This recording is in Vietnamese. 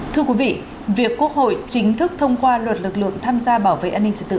thưa quý vị việc quốc hội chính thức thông qua luật lực lượng tham gia bảo vệ an ninh trật tự